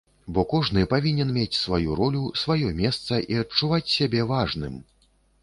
Бо кожны павінен мець сваю ролю, сваё месца і адчуваць сябе важным.